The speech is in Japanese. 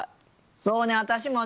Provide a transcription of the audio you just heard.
そうね私もね